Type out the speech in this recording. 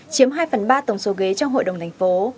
chiếm hai phần ba tổng số ghế trong hội đồng thành phố